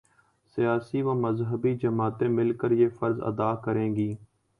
سیاسی و مذہبی جماعتیں مل کر یہ فرض ادا کریں گی۔